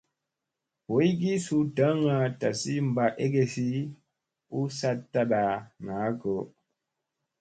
Boygi suu daŋga tasi ɓaa egesi u saɗ taɗa naa go.